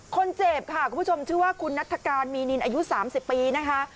คนเจ็บค่ะคุณผู้ชมชื่อว่าคุณนัฐกาลมีนินอายุ๓๐ปีนะคะ